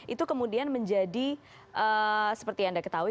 itu kemudian menjadi seperti anda ketahui